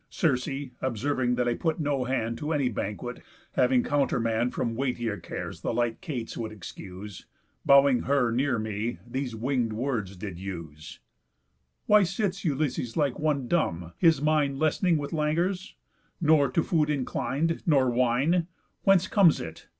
Circe (observing that I put no hand To any banquet, having countermand From weightier cares the light cates could excuse) Bowing her near me, these wing'd words did use; 'Why sits Ulysses like one dumb, his mind Less'ning with languors? Nor to food inclin'd, Nor wine? Whence comes it?